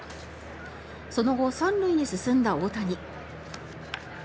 その後、３塁に進んだ大谷。